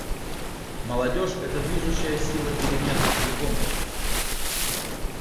Молодежь — это движущая сила перемен в любом обществе.